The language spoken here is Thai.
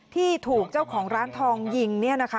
ที่ถูกเจ้าของร้านทองยิง